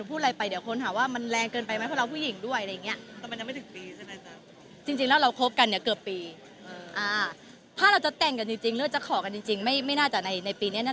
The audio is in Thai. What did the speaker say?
คุณจะว่าฝันตะนักลดกับทิศแดกอะไรอย่างเงี้ย